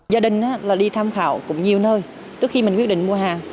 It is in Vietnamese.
gia đình đi tham khảo cũng nhiều nơi trước khi mình quyết định mua hàng